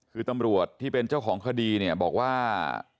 คือตำรวจที่เป็นเจ้าของคดีเนี่ยบอกว่า